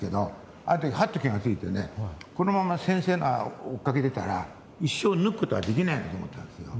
ある時ハッと気が付いてねこのまま先生を追っかけてたら一生抜くことはできないなと思ったんですよ。